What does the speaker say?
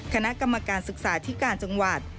คณะกรรมการศึกษาที่การจังหวัด